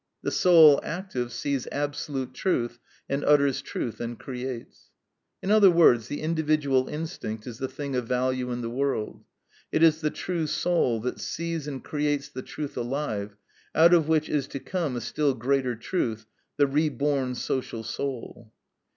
The soul active sees absolute truth and utters truth and creates." In other words, the individual instinct is the thing of value in the world. It is the true soul that sees and creates the truth alive, out of which is to come a still greater truth, the re born social soul.